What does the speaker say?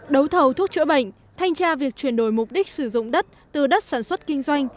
đấu thầu thuốc chữa bệnh thanh tra việc chuyển đổi mục đích sử dụng đất từ đất sản xuất kinh doanh